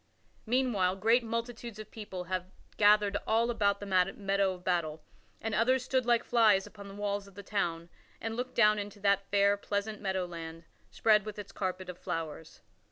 Meanwhile, great multitudes of people had gathered all about the meadow of battle, and others stood like flies upon the walls of the town and looked down into that fair, pleasant meadow land, spread with its carpet of flowers.